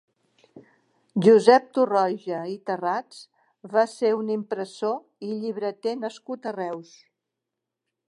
Josep Torroja i Tarrats va ser un impressor i llibreter nascut a Reus.